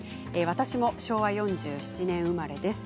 私も昭和４７年生まれです。